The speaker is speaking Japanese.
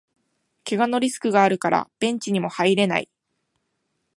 けがのリスクがあるからベンチにも入れない